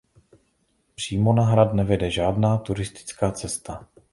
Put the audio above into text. Přímo na hrad nevede žádná turistická cesta.